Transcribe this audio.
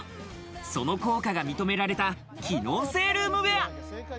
その効果が認められた、機能性ルームウェア。